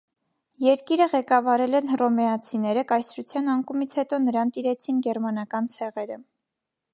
Երկիրը ղեկավարել են հռոմեացիները, կայսրության անկումից հետո նրան տիրեցին գերմանական ցեղերը։